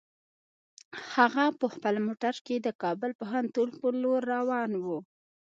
هغه په خپل موټر کې د کابل پوهنتون په لور روان و.